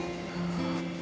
padahal gue udah bilang ke dia